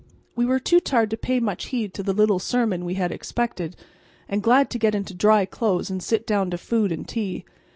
We were too tired to pay much heed to the little sermon we had expected, and glad to get into dry clothes and sit down to food and tea.